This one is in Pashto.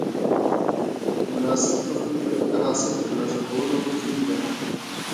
مناسب تخم د ښه حاصل د ترلاسه کولو کلي ده.